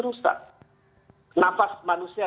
rusak nafas manusia